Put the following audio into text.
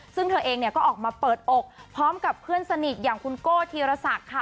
ซึ่งเธอเองเนี่ยก็ออกมาเปิดอกพร้อมกับเพื่อนสนิทอย่างคุณโก้ธีรศักดิ์ค่ะ